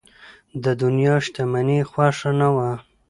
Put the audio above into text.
د دنیا شتمني یې خوښه نه وه.